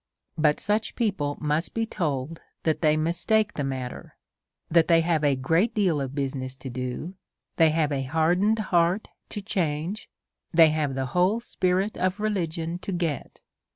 But such people must be told that they mis take the matter ; that they have a great deal of busi ness to do ; they have a burdened heart to change ; they have the whole spirit of religion to get.